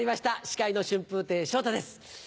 司会の春風亭昇太です。